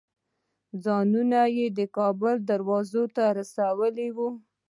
ځانونه یې د کابل دروازو ته رسولي وو.